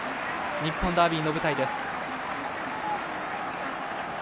日本ダービーの舞台です。